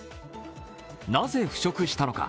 なぜ、腐食したのか。